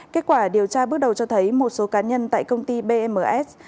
kết quả điều tra bước đầu cho thấy một số cá nhân tại công ty bms